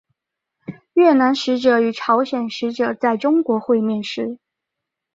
越南使者与朝鲜使者在中国会面时。